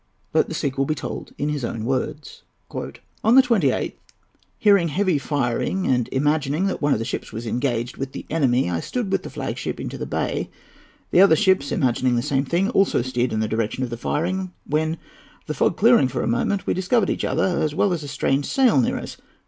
Let the sequel be told in his own words. "On the 28th, hearing heavy firing and imagining that one of the ships was engaged with the enemy, I stood with the flag ship into the bay. The other ships, imagining the same thing, also steered in the direction of the firing, when, the fog clearing for a moment, we discovered each other, as well as a strange sail near us.